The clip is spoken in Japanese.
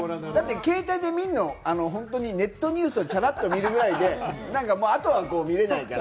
携帯で見るのは本当にネットニュースをチャラっと見るぐらいで、あとは見れないから。